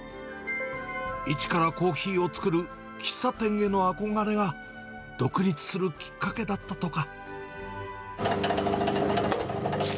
いちからコーヒーを作る喫茶店への憧れが、独立するきっかけだったとか。